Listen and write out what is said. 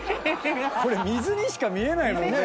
これ水にしか見えないもんね。